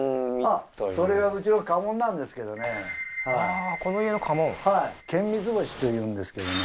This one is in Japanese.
あーこの家の家紋はい剣三つ星というんですけどね